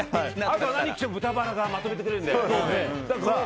あとは何きても豚バラがまとめてくれるんで。